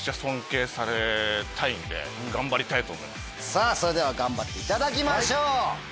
さぁそれでは頑張っていただきましょう。